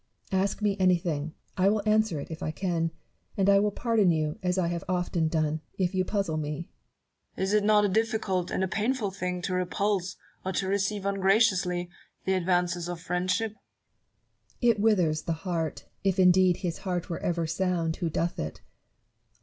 Barrow. Ask me anything : I will answer it, if I can ; and I will pardon you, as I have often done, if you puzzle me. Newton. Is it not a difficult and a painful thing to repulse, or to receive ungraciously, the advances of friend ship? Barrow. It withers the heart, if indeed his heart were ever sound who doth it.